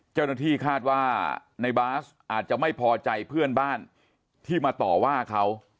เจ้าหน้าที่คาดว่าในบาสอาจจะไม่พอใจเพื่อนบ้านที่มาต่อว่าเขา